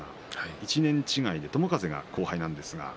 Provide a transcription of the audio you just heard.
１年違いで友風が後輩です。